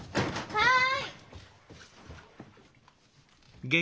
はい。